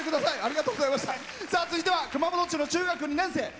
さあ続いては熊本市の中学２年生。